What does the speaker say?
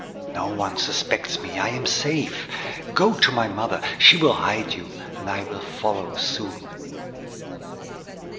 "No one suspects me; I am safe. Go to my mother; she will hide you, and I will follow soon."